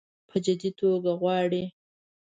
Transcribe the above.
په جدي توګه غواړي.